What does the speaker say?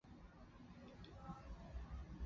网檐南星是天南星科天南星属的植物。